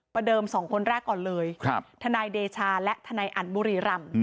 เดิมสองคนแรกก่อนเลยทนายเดชาและทนายอันบุรีรำ